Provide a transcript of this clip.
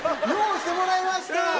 用意してもらいました！